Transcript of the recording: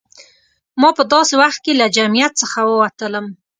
ما په داسې وخت کې له جمعیت څخه ووتلم.